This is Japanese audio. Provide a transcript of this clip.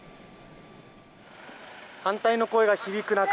反対の声が響く中